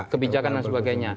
kebijakan dan sebagainya